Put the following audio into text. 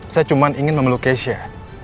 saya cuma ingin memeluk kesha